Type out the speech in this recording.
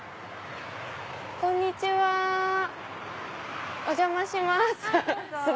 こんにちはお邪魔します。